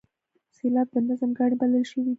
سېلاب د نظم کاڼی بلل شوی دی.